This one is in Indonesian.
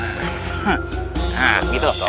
nah gitu loh